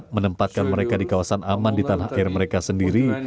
menempatkan mereka di kawasan aman di tanah air mereka sendiri